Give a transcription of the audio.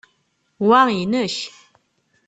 Wa inek.